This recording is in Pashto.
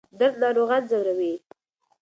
درد ناروغان ځوروي.